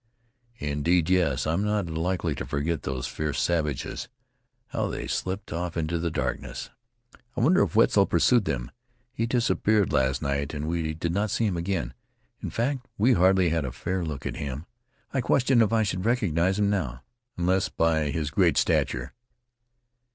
"Indeed, yes. I'm not likely to forget those fierce savages. How they slipped off into the darkness! I wonder if Wetzel pursued them? He disappeared last night, and we did not see him again. In fact we hardly had a fair look at him. I question if I should recognize him now, unless by his great stature."